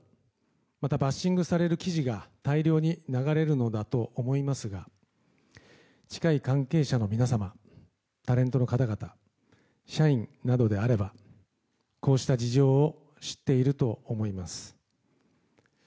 また、バッシングされる記事が大量に流れるのだと思いますが近い関係者の皆様タレントの方々社員などであればこうした事情を知っていると思います。